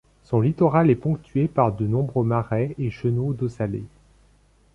Son littoral est ponctué par de nombreux marais et chenaux d'eau salée.